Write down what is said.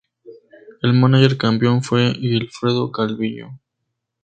El mánager campeón fue Wilfredo Calviño.